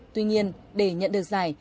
tuy nhiên để nhận được giải